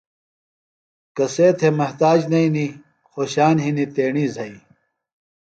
کسے تھےۡ محتاج نئینیۡ، خوشان ہِنیۡ تیݨی زھئیۡ